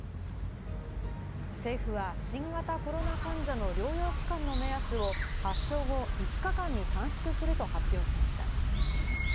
政府は新型コロナ患者の療養期間の目安を発症後５日間に短縮すると発表しました。